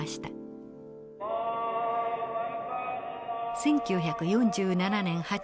１９４７年８月。